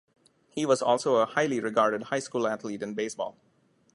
He was also a highly regarded high school athlete in baseball.